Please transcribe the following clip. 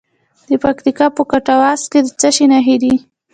د پکتیکا په کټواز کې د څه شي نښې دي؟